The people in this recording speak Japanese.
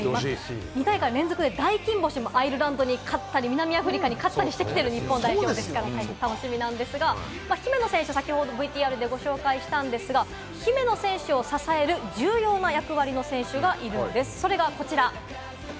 ２大会連続で大金星、アイルランドや南アフリカに勝ってきてる日本代表ですから楽しみなんですが、姫野選手、ＶＴＲでご紹介したんですが、姫野選手を支える重要な役割の選手がいるんです。